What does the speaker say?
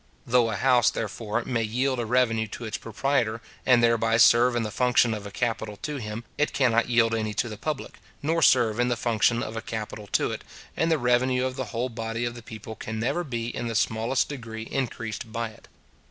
Though a house, therefore, may yield a revenue to its proprietor, and thereby serve in the function of a capital to him, it cannot yield any to the public, nor serve in the function of a capital to it, and the revenue of the whole body of the people can never be in the smallest degree increased by it.